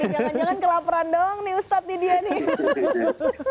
jangan jangan kelaperan doang nih ustadz nih dia nih